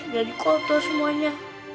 jadi kotor semuanya